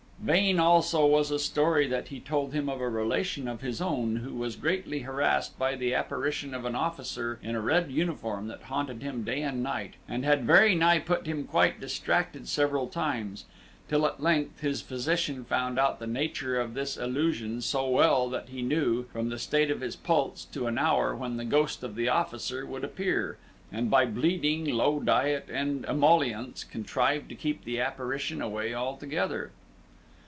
Vain also was a story that he told him of a relation of his own, who was greatly harassed by the apparition of an officer in a red uniform that haunted him day and night, and had very nigh put him quite distracted several times, till at length his physician found out the nature of this illusion so well that he knew, from the state of his pulse, to an hour when the ghost of the officer would appear, and by bleeding, low diet, and emollients contrived to keep the apparition away altogether.